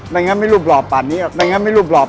ไม่งั้นไม่รู้รอบปากนี้หรอก